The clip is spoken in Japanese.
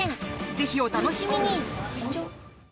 ぜひ、お楽しみに！